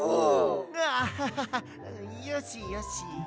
アハハハよしよし。